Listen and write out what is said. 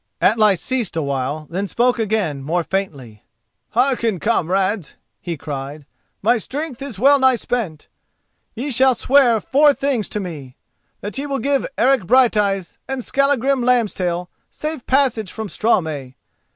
Atli ceased a while, then spoke again more faintly: "Hearken, comrades," he cried; "my strength is well nigh spent. Ye shall swear four things to me—that ye will give Eric Brighteyes and Skallagrim Lambstail safe passage from Straumey.